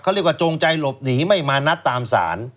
เขาเรียกว่าจงใจหลบหนีไม่มานัดตามสาร